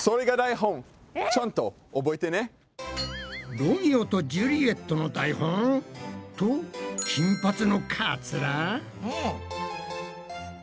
ロミオとジュリエットの台本？と金髪のかつら？